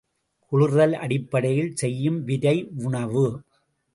குளிர்தல் அடிப்படையில் செய்யும் விரைவுணவு.